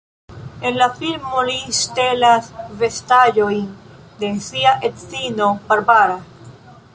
En la filmo li ŝtelas vestaĵojn de sia edzino Barbara.